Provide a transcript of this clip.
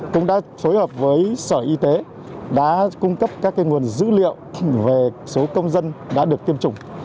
cũng đã phối hợp với sở y tế đã cung cấp các nguồn dữ liệu về số công dân đã được tiêm chủng